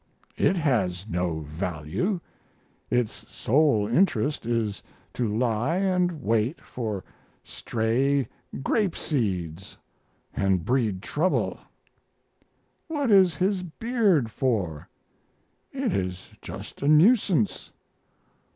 It has no value. Its sole interest is to lie and wait for stray grape seeds and breed trouble. What is his beard for? It is just a nuisance.